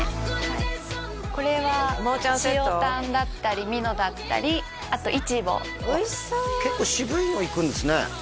はいこれは塩タンだったりミノだったりあとイチボ結構渋いのいくんですね